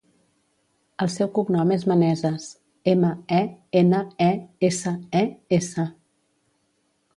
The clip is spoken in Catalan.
El seu cognom és Meneses: ema, e, ena, e, essa, e, essa.